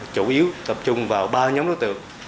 chủ yếu tập trung vào ba nhóm đối tượng